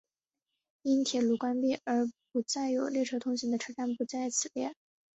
因线路关闭而不再有列车通行的车站不在此列。